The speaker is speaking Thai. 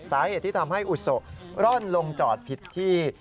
สาเหตุที่ทำให้อุโสร่อนลงจอดผิดที่